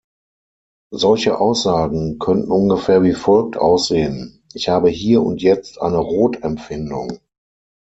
Solche Aussagen könnten ungefähr wie folgt aussehen: „Ich habe hier und jetzt eine Rot-Empfindung“.